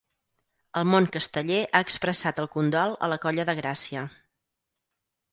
El món casteller ha expressat el condol a la colla de Gràcia.